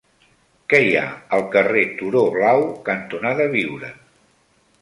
Què hi ha al carrer Turó Blau cantonada Biure?